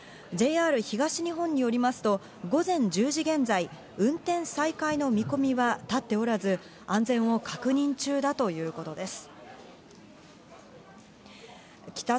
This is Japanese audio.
ＪＲ東日本によりますと午前１０時現在、運転再開の見込みは立っておらず、安全を確認中だということです。